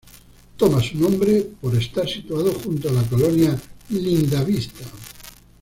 Toma su nombre por estar situada junto a la colonia Lindavista.